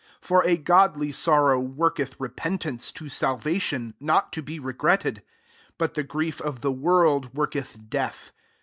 10 Ffl a godly sorrow worketh rcpcnl ance, to salvation, not to h regretted : but the grief of it world worketh death.